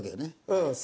うん。